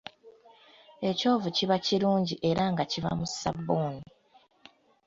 Ekyovu kiba kirungi era nga kiva mu ssabbuuni.